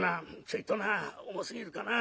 「ちょいとな重すぎるかな」。